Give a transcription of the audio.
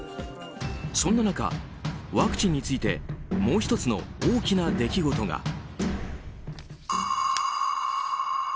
そんな中、ワクチンについてもう１つの大きな出来事が。